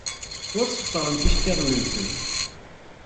Ur sxeṣrent iceḍḍiḍen-nsent.